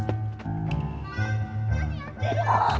何やってるの！？